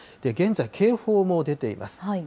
現在、警報も出ています。